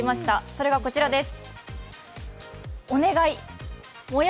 それがこちらです。